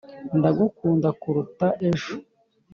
ndagukunda kuruta ejo